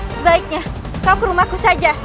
sebaiknya kau ke rumahku saja